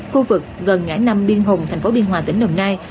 khu vực gần ngãi năm biên hùng tp biên hòa tỉnh đồng nai